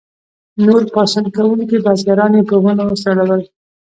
نور پاڅون کوونکي بزګران یې په ونو وځړول.